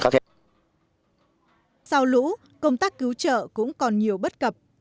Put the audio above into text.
sau lũ công tác cứu trợ cũng còn nhiều bất cập